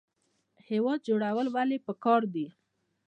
هیواد جوړول ولې پکار دي؟